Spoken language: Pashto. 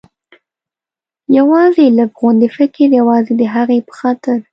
یوازې لږ غوندې فکر، یوازې د هغې په خاطر.